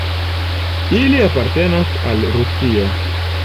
Ili apartenas al Rusio.